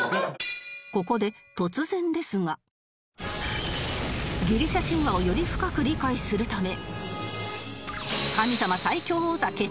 ここでギリシャ神話をより深く理解するため